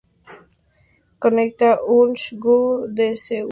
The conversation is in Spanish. Conecta Haeundae-gu con Suyeong-gu.